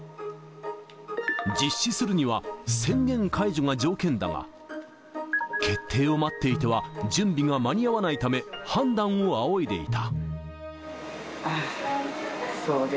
実施するには、宣言解除が条件だが、決定を待っていては準備が間に合わないため、判断を仰いでいた。